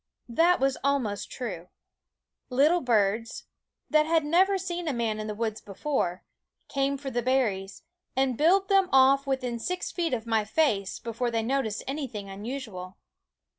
That was almost true. Little birds, that had never seen a man in the woods before, came for the berries, and billed them off within six feet of my face before they noticed anything unusual.